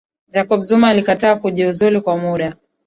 jacob zuma alikataa kujiuzulu kwa muda